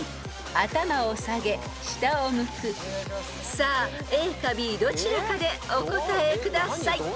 ［さあＡかＢどちらかでお答えください］